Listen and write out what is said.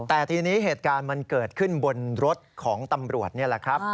แต่ทีนี้เหตุการณ์มันเกิดขึ้นบนรถของตำรวจนี่แหละครับ